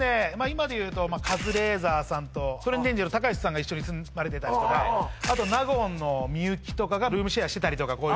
今でいうとカズレーザーさんとトレンディエンジェルのたかしさんが一緒に住まれてたりとかあと納言の幸とかがルームシェアしてたりとかああ